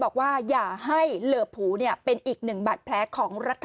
บอกว่าอย่าให้เหลือผูเป็นอีกหนึ่งบาดแผลของรัฐ